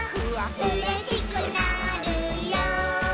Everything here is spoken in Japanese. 「うれしくなるよ」